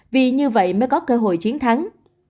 vì như vậy mới có cơ hội chiến thắng